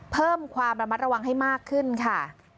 เพิ่มความระมัดระวังให้มากขึ้นค่ะ